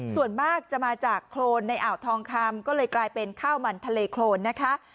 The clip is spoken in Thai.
ส่วนมากจะมาจากโครนในอ่าวทองคำก็เลยกลายเป็นข้าวมันทะเลโครนนะคะ